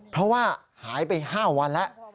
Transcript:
เพราะว่าหายไป๕วันแล้ว